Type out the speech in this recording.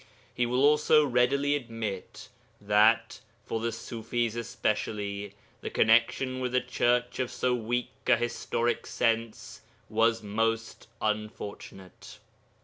He will also readily admit that, for the Ṣufis especially, the connexion with a church of so weak a historic sense was most unfortunate.